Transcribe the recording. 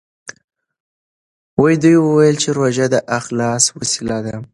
ده وویل چې روژه د اخلاص وسیله ده.